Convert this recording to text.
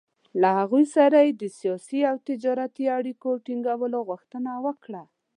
له هغوی سره یې د سیاسي او تجارتي اړیکو ټینګولو غوښتنه وکړه.